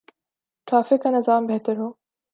Traffic کا نظام بہتر ہو۔